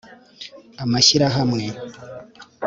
Amashyirahamwe